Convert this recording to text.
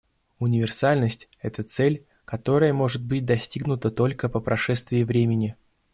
Универсальность — это цель, которая может быть достигнута только по прошествии времени.